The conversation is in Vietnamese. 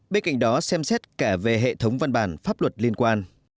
bên cạnh đó xem xét cả về hệ thống văn bản pháp luật liên quan